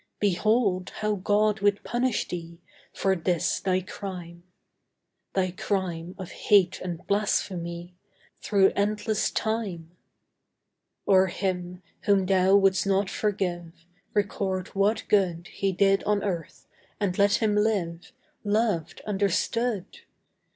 Behold, how God would punish thee For this thy crime Thy crime of hate and blasphemy Through endless time! "O'er him, whom thou wouldst not forgive, Record what good He did on Earth! and let him live Loved, understood!